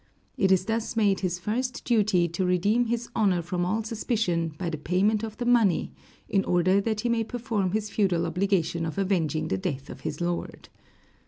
It is thus made his first duty to redeem his honor from all suspicion by the payment of the money, in order that he may perform his feudal obligation of avenging the death of his lord.